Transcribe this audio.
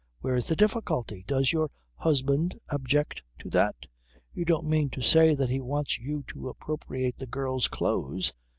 Where's the difficulty? Does your husband object to that? You don't mean to say that he wants you to appropriate the girl's clothes?"